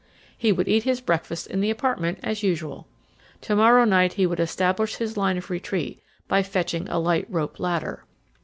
He would eat his breakfast in the apartment as usual. To morrow night he would establish his line of retreat by fetching a light rope ladder.